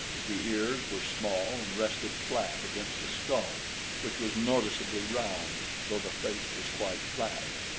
The ears were small and rested flat against the skull, which was noticeably round, though the face was quite flat.